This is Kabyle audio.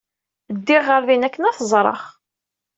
Ddiɣ ɣer din akken ad t-ẓreɣ.